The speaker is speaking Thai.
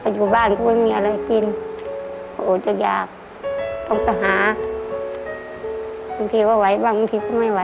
อยู่เฉยก็ไม่ได้